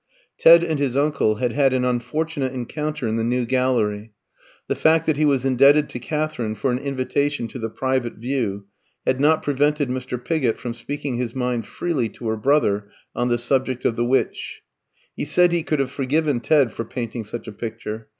Ted and his uncle had had an unfortunate encounter in the New Gallery. The fact that he was indebted to Katherine for an invitation to the private view had not prevented Mr. Pigott from speaking his mind freely to her brother on the subject of the Witch. He said he could have forgiven Ted for painting such a picture.